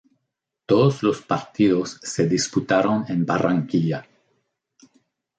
Todos los partidos se disputaron en Barranquilla.